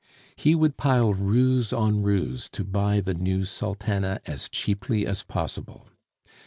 He would pile ruse on ruse to buy the new sultana as cheaply as possible.